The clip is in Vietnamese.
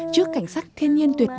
trước cảnh sát thiên nhiên của mọi người